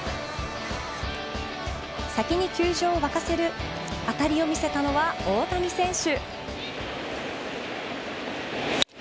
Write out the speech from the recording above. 先に球場を沸かせる当たりを見せたのは大谷選手。